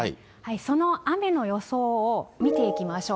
その雨の予想を見ていきましょう。